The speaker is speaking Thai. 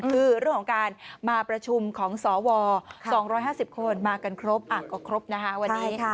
คือเรื่องของการมาประชุมของสว๒๕๐คนมากันครบก็ครบนะคะวันนี้